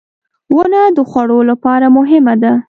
• ونه د خوړو لپاره مهمه ده.